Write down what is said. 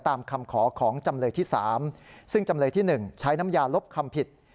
ตามคำขอของจำเลยที่๓ซึ่งจำเลยที่๑ใช้น้ำยาลบคำผิด